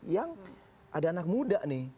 yang ada anak muda nih